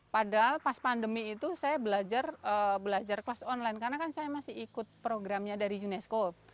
padahal pas pandemi itu saya belajar kelas online karena kan saya masih ikut programnya dari unesco